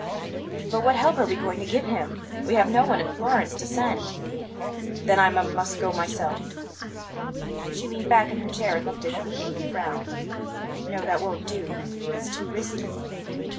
"But what help are we going to give him? We have no one in Florence to send." "Then I m must go myself." She leaned back in her chair and looked at him with a little frown. "No, that won't do; it's too risky."